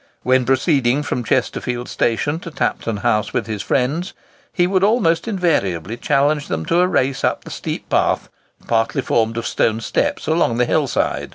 When proceeding from Chesterfield station to Tapton House with his friends, he would almost invariably challenge them to a race up the steep path, partly formed of stone steps, along the hill side.